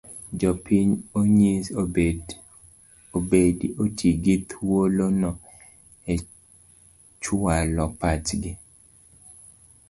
Jopiny onyis obi oti gi thuolono e chualo pachgi.